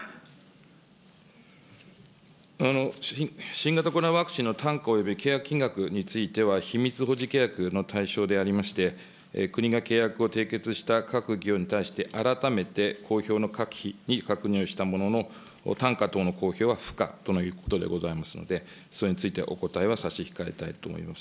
新型コロナワクチンの単価および契約金額については、秘密保持契約の対象でありまして、国が契約を締結した各企業に対して、改めて公表の可否に確認をしたものの、単価等の公表は不可とのことでございますので、それについてはお答えは差し控えたいと思います。